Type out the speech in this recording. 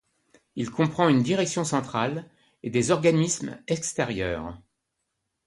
Il comprend une direction centrale et des organismes extérieurs.